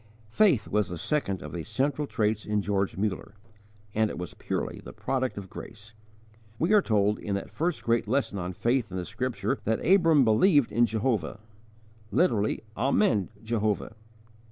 Faith was the second of these central traits in George Muller, and it was purely the product of grace. We are told, in that first great lesson on faith in the Scripture, that (Genesis xv. 6) Abram believed in Jehovah literally, Amened Jehovah.